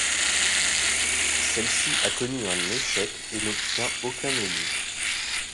Celle-ci a connu un échec et n'obtient aucun élu.